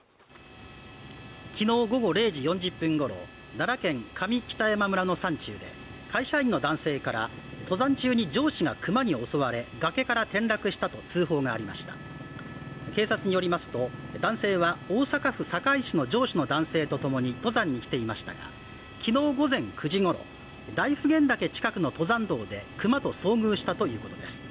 昨日午後０時４０分ごろ奈良県上北山村の山中で会社員の男性から登山中に上司がクマに襲われ崖から転落したと通報がありました警察によりますと男性は大阪府堺市の上司の男性とともに登山に来ていましたが昨日午前９時ごろ大普賢岳近くの登山道でクマと遭遇したということです